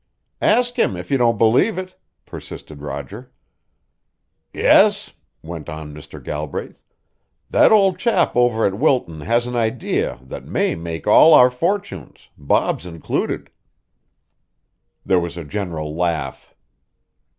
"Ask him if you don't believe it," persisted Roger. "Yes," went on Mr. Galbraith, "that old chap over at Wilton has an idea that may make all our fortunes, Bob's included." There was a general laugh.